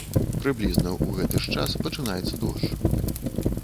Прыблізна ў гэты ж час пачынаецца дождж.